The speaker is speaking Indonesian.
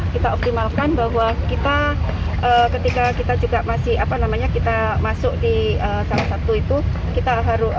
kita optimalkan bahwa ketika kita masuk di sabtu itu